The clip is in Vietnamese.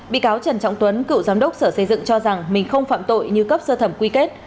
bị cáo trần trọng tuấn cựu giám đốc sở xây dựng cho rằng mình không phạm tội như cấp sơ thẩm quy kết